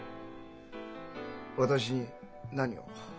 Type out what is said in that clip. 私に何を？